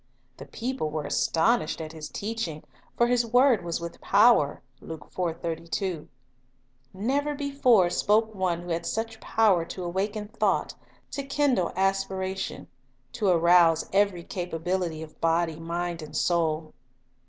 The people "were astonished at His teaching;'" for His word was with power. " a Never before spoke one who had such power to awaken thought, to kindle aspira tion, to arouse every capability of body, mind, and soul.